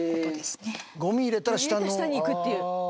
「ごみ入れたら下の」「下に行くっていう」